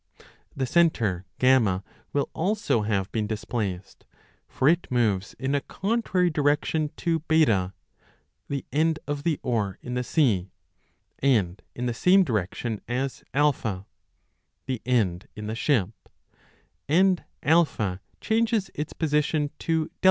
2 5 The centre F will also have been displaced ; for it moves in a contrary direction to B, the end of the oar in the sea, and in the same direction as A, the end in the ship, and A changes its position to A.